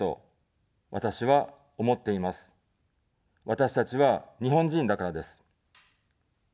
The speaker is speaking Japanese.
私たちは日本人だからです。